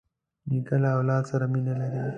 نیکه له اولاد سره مینه لري.